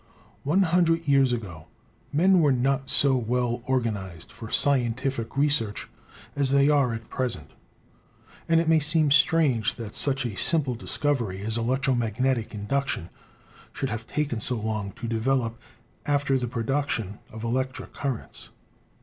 One hundred years ago men were not so well organized for scientific research as they are at present, and it may seem strange that such a simple discovery as electromag netic induction should have taken so long to develop after the production of electric currents.